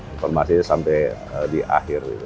informasinya sampai di akhir gitu